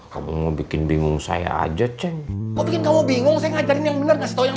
kamu bikin bingung saya aja ceng kok bikin kamu bingung saya ngajarin yang benar gak seto yang